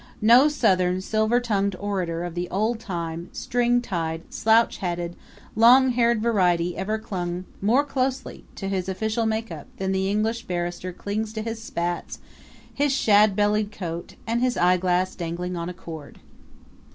No Southern silver tongued orator of the old time, string tied, slouch hatted, long haired variety ever clung more closely to his official makeup than the English barrister clings to his spats, his shad bellied coat and his eye glass dangling on a cord.